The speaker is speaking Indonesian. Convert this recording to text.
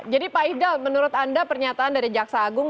jadi pak ipdal menurut anda pernyataan dari jaksa agung